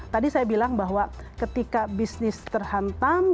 tadi saya bilang bahwa ketika bisnis terhantam